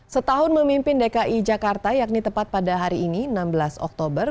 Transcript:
setahun memimpin dki jakarta yakni tepat pada hari ini enam belas oktober